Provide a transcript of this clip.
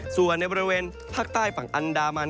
ส่วนในบริเวณภาคใต้ฝั่งอันดามัน